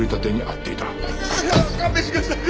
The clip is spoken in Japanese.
勘弁してください！